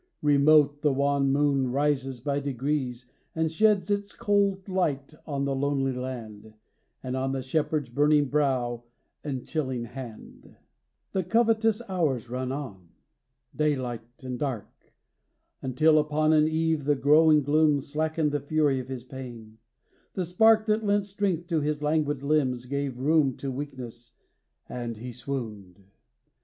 Remote the wan moon rises by degrees And sheds its cold light on the lonely land, And on the shepherd's burning brow and chilling hand. CHRISTMAS EVE. 13 XX. The covetous hours run on — dayh'ght and dark — Until upon an eve the growing gloom Slackened the fury of his pain; the spark That lent strength to his languid limbs gave room To weakness — and he swooned.